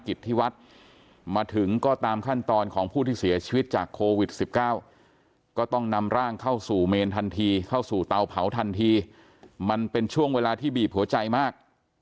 กิจที่วัดมาถึงก็ตามขั้นตอนของผู้ที่เสียชีวิตจาก